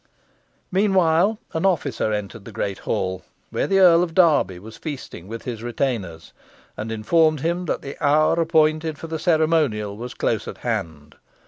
Meanwhile an officer entered the great hall, where the Earl of Derby was feasting with his retainers, and informed him that the hour appointed for the ceremonial was close at hand.